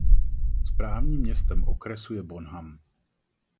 Správním městem okresu je Bonham.